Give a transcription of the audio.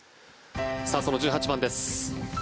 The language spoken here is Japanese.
その１８番です。